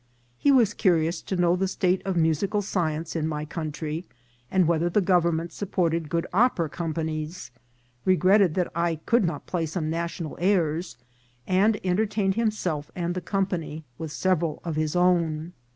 He was curious to know the state of musical science in my country, and whether the government supported A DINNER PARTY. 331 good opera companies ; regretted that I could not play some national airs, and entertained himself and the company with several of their own.